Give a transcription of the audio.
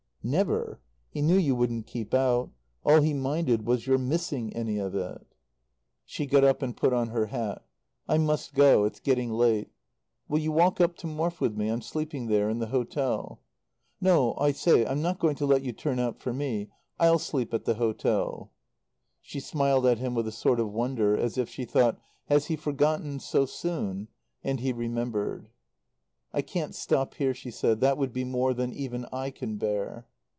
"Never! He knew you wouldn't keep out. All he minded was your missing any of it." She got up and put on her hat. "I must go. It's getting late. Will you walk up to Morfe with me? I'm sleeping there. In the hotel." "No, I say I'm not going to let you turn out for me. I'll sleep at the hotel." She smiled at him with a sort of wonder, as if she thought: "Has he forgotten, so soon?" And he remembered. "I can't stop here," she said. "That would be more than even I can bear."